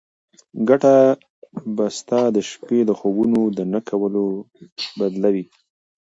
ګټه به ستا د شپې د خوبونو د نه کولو بدله وي.